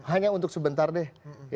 hanya untuk sebentar deh